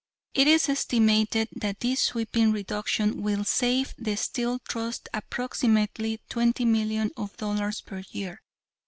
It is estimated that this sweeping reduction will save the Steel Trust approximately twenty millions of dollars per year.